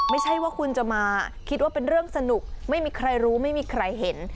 ไม่ใช่ว่าคุณจะมาคิดว่าเป็นเรื่องสนุกไม่มีใครรู้ไม่มีใครเห็น